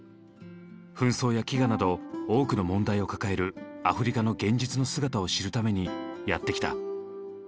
紛争や飢餓など多くの問題を抱えるアフリカの現実の姿を知るためにやって来た。